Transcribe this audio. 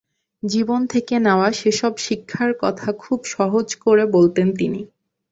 জীবন থেকে নেওয়া সেসব শিক্ষার কথা খুব সহজ করে বলতেন তিনি।